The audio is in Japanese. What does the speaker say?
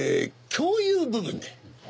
共有部分で。